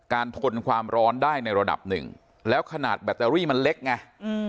ทนความร้อนได้ในระดับหนึ่งแล้วขนาดแบตเตอรี่มันเล็กไงอืม